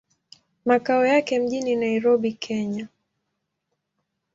Makao yake mjini Nairobi, Kenya.